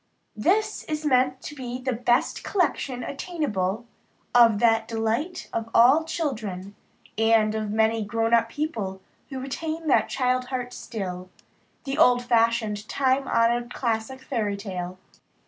This is meant to be the best collection attainable of that delight of all children, and of many grown people who retain the child heart still the old fashioned, time honored classic Fairy tale.